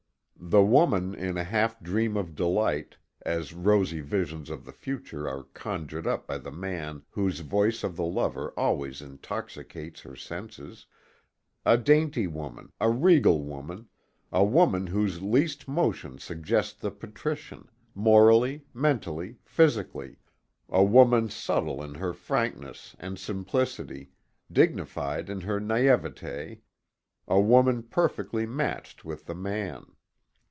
The woman in a half dream of delight, as rosy visions of the future are conjured up by the man whose voice of the lover always intoxicates her senses; a dainty woman, a regal woman, a woman whose least motion suggests the patrician, morally, mentally, physically; a woman subtle in her frankness and simplicity, dignified in her naïveté; a woman perfectly matched with the man.